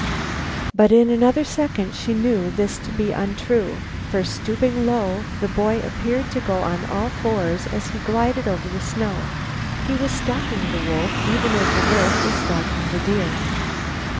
But in another second she knew this to be untrue, for, stooping low, the boy appeared to go on all fours as he glided over the snow; he was stalking the wolf even as the wolf was stalking the deer.